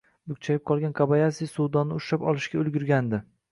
Bukchayib qolgan Kobayasi suvdonni ushlab olishga ulgurgandi